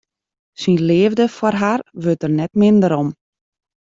Syn leafde foar har wurdt der net minder om.